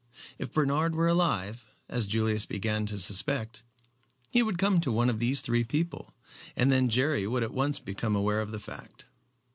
If Bernard were alive as Julius began to suspect he would come to one of these three people, and then Jerry would at once become aware of the fact.